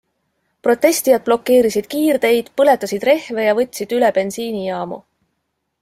Protestijad blokeerisid kiirteid, põletasid rehve ja võtsid üle bensiinijaamu.